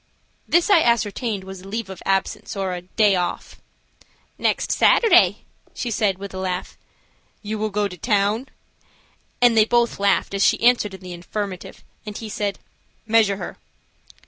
This I ascertained was a leave of absence, or "a day off." "Next Saturday," she said, with a laugh. "You will go to town?" and they both laughed as she answered in the affirmative, and he said: "Measure her."